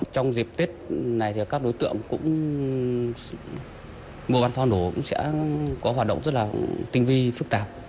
trong dịp tết này thì các đối tượng cũng mua bán pháo nổ cũng sẽ có hoạt động rất là tinh vi phức tạp